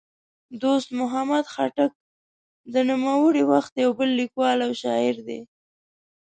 دوست محمد خټک د نوموړي وخت یو بل لیکوال او شاعر دی.